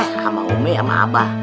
sama umi sama abah